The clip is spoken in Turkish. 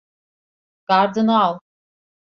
Gardını al!